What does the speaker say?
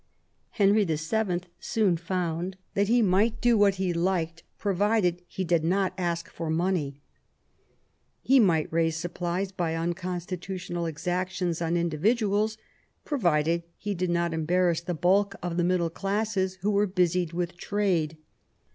Henry VII. soon found that he might do what VIII WOLSEY'S DOMESTIC POLICY 125 he liked provided he did not ask for money ; he might raise supplies by unconstitutional exactions on individuals provided he did not embarrass the bulk of the middle classes, who were busied with trade.